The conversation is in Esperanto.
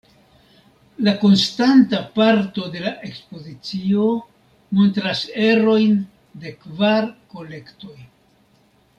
La konstanta parto de la ekspozicio montras erojn de kvar kolektoj.